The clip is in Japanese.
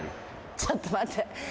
ちょっと待って。